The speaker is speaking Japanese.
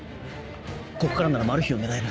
ここからならマル被を狙える。